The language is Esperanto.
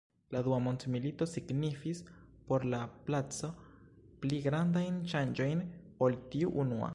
La dua mondmilito signifis por la placo pli grandajn ŝanĝojn ol tiu unua.